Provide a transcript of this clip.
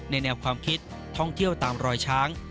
แนวความคิดท่องเที่ยวตามรอยช้าง